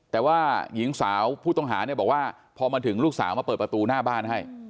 แต่ว่าหญิงสาวผู้ต้องหาเนี่ยบอกว่าพอมาถึงลูกสาวมาเปิดประตูหน้าบ้านให้